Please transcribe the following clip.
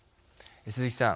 鈴木さん。